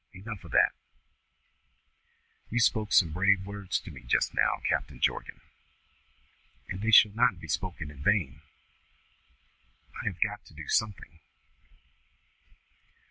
Enough of that! You spoke some brave words to me just now, Captain Jorgan, and they shall not be spoken in vain. I have got to do something.